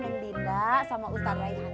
nendita sama ustadz rayhan